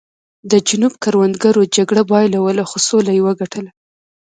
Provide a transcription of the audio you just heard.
د جنوب کروندګرو جګړه بایلوله خو سوله یې وګټله.